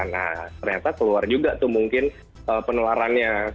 nah ternyata keluar juga tuh mungkin penularannya